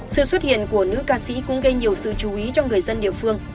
sự xuất hiện của nữ ca sĩ cũng gây nhiều sự chú ý cho người dân địa phương